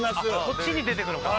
こっちに出て行くのか。